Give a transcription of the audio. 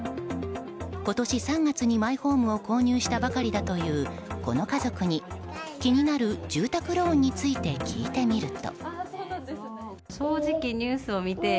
今年３月にマイホームを購入したばかりだというこの家族に、気になる住宅ローンについて聞いてみると。